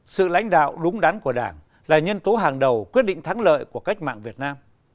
sự lãnh đạo đúng đắn của đảng là nhân tố hàng đầu quyết định thắng lợi của cách mạng việt nam